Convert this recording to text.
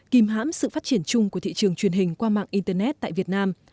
kìm hãm sự phát triển chung của thị trường truyền hình qua mạng internet tại việt nam